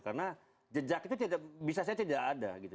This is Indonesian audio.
karena jejak itu bisa saya tidak ada gitu